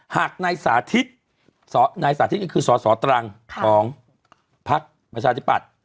หากนายสาธิตนายสาธิตก็คือสสตรังของพักประชาธิปัตย์